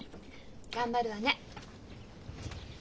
頑張るわね。